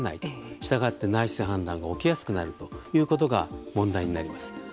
したがって内水氾濫が起きやすくなるということが問題になります。